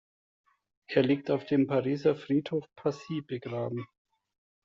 Er liegt auf dem Pariser Friedhof Passy begraben.